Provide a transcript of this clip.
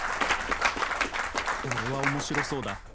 これは面白そうだ。